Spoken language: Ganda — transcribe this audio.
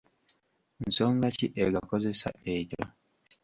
Nsonga ki egakozesa ekyo?